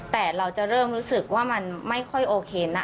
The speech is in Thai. แต่เราจะเริ่มรู้สึกว่ามันไม่ค่อยโอเคนะ